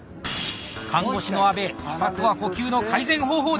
看護師の安部秘策は呼吸の改善方法だ！